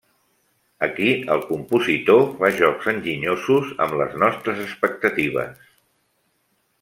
Aquí el compositor fa jocs enginyosos amb les nostres expectatives.